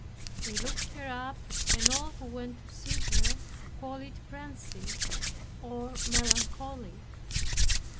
They locked her up and all who went to see her called it phrenzy or melancholy.